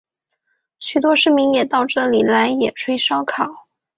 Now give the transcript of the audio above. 许多市民也到这里来野炊烧烤。